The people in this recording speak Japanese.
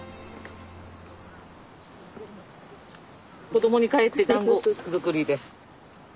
子供にかえってだんご作りです。